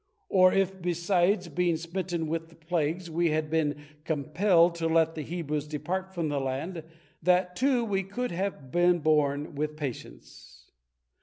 Or if, besides being smitten with the plagues, we had been compelled to let the Hebrews depart from the land, that, too, we could have been borne with patience.